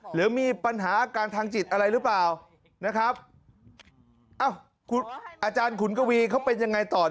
หรือมีปัญหาอาการทางจิตอะไรหรือเปล่านะครับอ้าวคุณอาจารย์ขุนกวีเขาเป็นยังไงต่อ